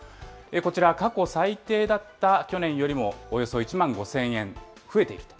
こちら過去最低だった去年よりもおよそ１万５０００円増えていると。